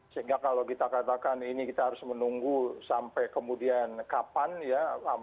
sehingga kalau kita katakan ini kita harus menunggu sampai kemudian kapan ya